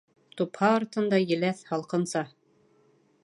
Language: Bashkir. Тупһа артында — еләҫ, һалҡынса.